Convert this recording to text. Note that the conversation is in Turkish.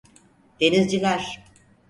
Denizciler!